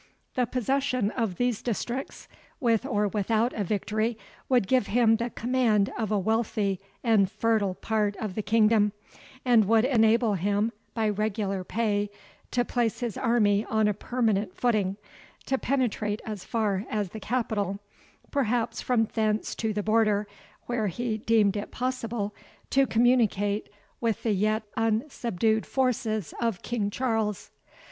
The possession of these districts, with or without a victory, would give him the command of a wealthy and fertile part of the kingdom, and would enable him, by regular pay, to place his army on a permanent footing, to penetrate as far as the capital, perhaps from thence to the Border, where he deemed it possible to communicate with the yet unsubdued forces of King Charles.